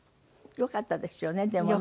よかったですよねでもね。